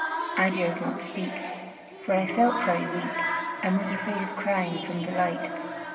I dared not speak; for I felt very weak, and was afraid of crying from delight.